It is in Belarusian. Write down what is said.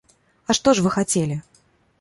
А што ж вы хацелі?